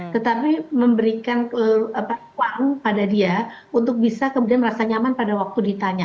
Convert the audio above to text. tetapi memberikan uang pada dia untuk bisa kemudian merasa nyaman pada waktu ditanya